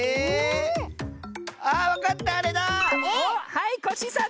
はいコッシーさん